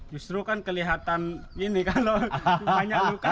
justru kan kelihatan gini kalau banyak luka